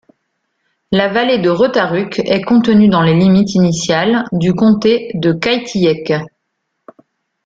La vallée de Retaruke est contenue dans les limites initiales du conté de Kaitieke.